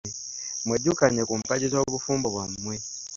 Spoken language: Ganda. Mwejjukanye ku mpagi z’obufumbo bwammwe.